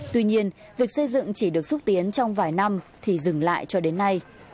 tuy nhiên việc xây dựng chỉ được xúc tiến trong vài năm thì dừng lại cho đến nay